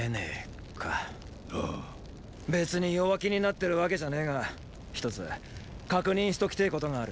別に弱気になってるわけじゃねェが一つ確認しときてェことがある。